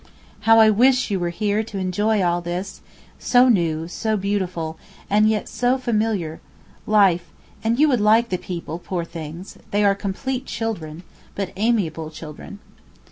How I wish you were here to enjoy all this, so new, so beautiful, and yet so familiar, life—and you would like the people, poor things! they are complete children, but amiable children.